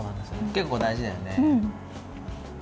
結構大事だよね。